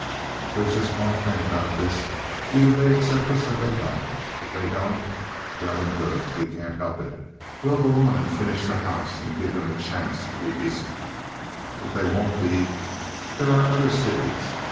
"There's just one thing about this; either they accept us or they don't. If they don't, well and good; we can't help it. We'll go on and finish the house, and give them a chance to be decent. If they won't be, there are other cities.